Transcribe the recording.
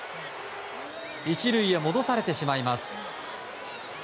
１塁へ戻されてしまいます。